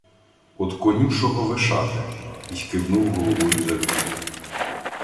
— Од конюшого Вишати... — й кивнув головою за вікно.